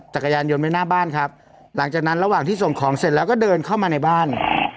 จักรยานยนต์ไว้หน้าบ้านครับหลังจากนั้นระหว่างที่ส่งของเสร็จแล้วก็เดินเข้ามาในบ้าน